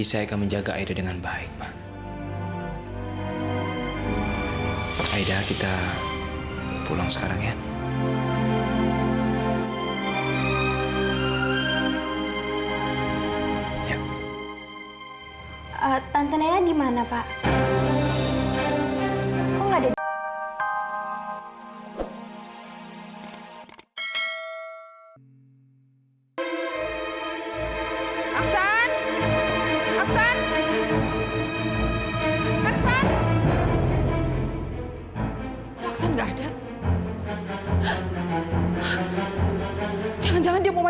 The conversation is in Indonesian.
sampai jumpa di video selanjutnya